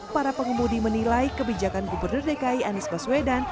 para pengemudi menilai kebijakan gubernur dki anies baswedan